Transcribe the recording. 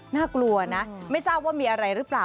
น่ากลัวนะไม่ทราบว่ามีอะไรหรือเปล่า